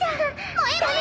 もえもえ。